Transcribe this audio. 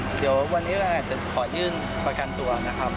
เดี๋ยววันนี้เราอาจจะขอยื่นประกันตัวนะครับ